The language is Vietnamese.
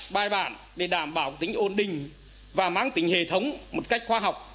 bài bản để đảm bảo tính ổn định và mang tính hệ thống một cách khoa học